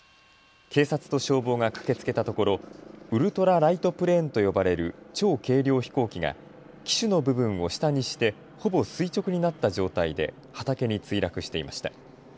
警察と消防が駆けつけたところウルトラライトプレーンと呼ばれる超軽量飛行機が機首の部分を下にしてほぼ垂直になった状態で畑に墜落していました。